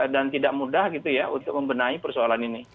dan tidak mudah gitu ya untuk membenahi persoalan ini